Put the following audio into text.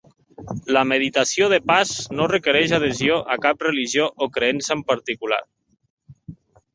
La meditació de pas no requereix adhesió a cap religió o creença en particular.